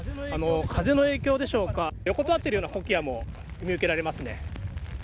風の影響でしょうか横たわっているようなコキアも見受けられますね。